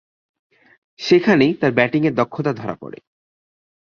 সেখানেই তার ব্যাটিংয়ের দক্ষতা ধরা পড়ে।